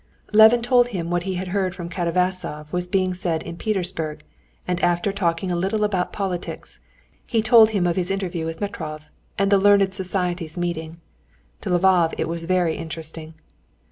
Levin told him what he had heard from Katavasov was being said in Petersburg, and after talking a little about politics, he told him of his interview with Metrov, and the learned society's meeting. To Lvov it was very interesting.